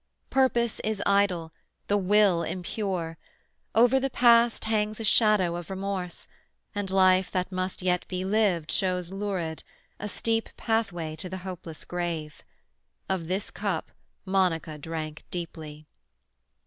Purpose is idle, the will impure; over the past hangs a shadow of remorse, and life that must yet be lived shows lurid, a steep pathway to the hopeless grave. Of this cup Monica drank deeply.